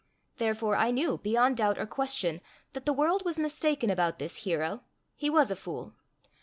Therefore I knew, beyond doubt or question, that the world was mistaken about this hero: he was a fool.